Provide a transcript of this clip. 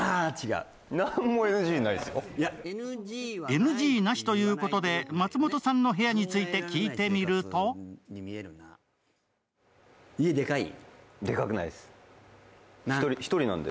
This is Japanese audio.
ＮＧなしということで松本さんの部屋について聞いてみると更につっこんで